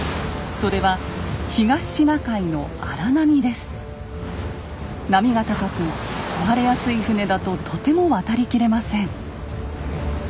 それは波が高く壊れやすい船だととても渡りきれません。